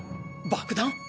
爆弾！？